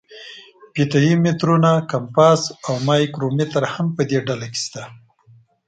فیته یي مترونه، کمپاس او مایکرومتر هم په دې ډله کې شته.